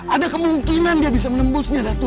ada kemungkinan dia bisa menembusnya datuk